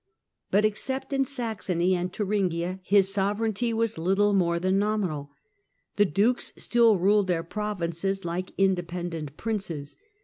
But, except in Saxony and Thuringia, his sovereignty was little more than nominal. The dukes still ruled their provinces like independent princes.